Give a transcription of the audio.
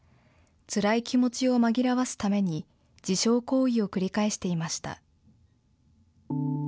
つらい気持ちを紛らわすために、自傷行為を繰り返していました。